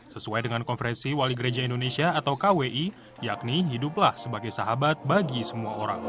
sesuai dengan konferensi wali gereja indonesia atau kwi yakni hiduplah sebagai sahabat bagi semua orang